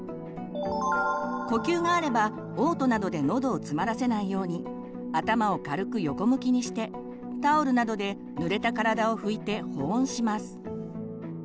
呼吸があればおう吐などでのどをつまらせないように頭を軽く横向きにしてタオルなどでぬれた体を拭いて保温します。